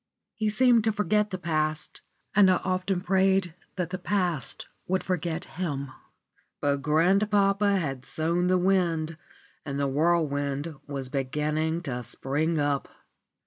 He seemed to forget the past, and I often prayed that the past would forget him. But grandpapa had sown the wind and the whirlwind was beginning to spring up.